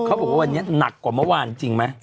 เขาบอกว่าวันนี้หนักกว่ามะว่าจริงมั้ย